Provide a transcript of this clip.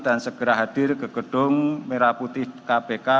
dan segera hadir ke gedung merah putih kpk